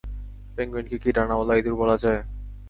পেঙ্গুইনকে কি ডানাওয়ালা ইঁদুর বলা যায়?